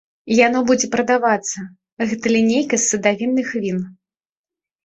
Яно будзе прадавацца, гэта лінейка з садавінных він.